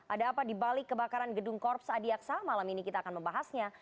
ada apa dibalik kebakaran gedung korps adiaksa malam ini kita akan membahasnya